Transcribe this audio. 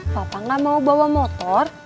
papa nggak mau bawa motor